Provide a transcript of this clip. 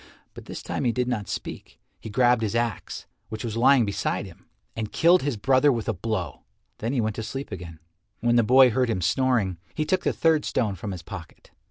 But this time he did not speak. He grasped his axe, which was lying beside him, and killed his brother with a blow. Then he went to sleep again. When the boy heard him snoring, he took the third stone from his pocket.